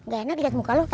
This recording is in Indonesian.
gak enak liat muka lu